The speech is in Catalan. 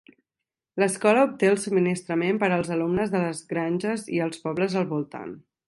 L'escola obté el subministrament per als alumnes de les granges i els pobles al voltant.